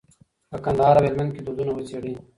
په کندهار او هلمند کې دودونه وڅېړئ.